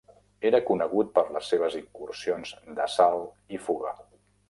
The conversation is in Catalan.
Era conegut per les seves incursions d'"assalt i fuga".